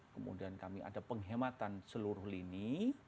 kemudian kami ada penghematan seluruh lini